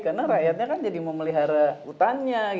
karena rakyatnya kan jadi mau melihara hutannya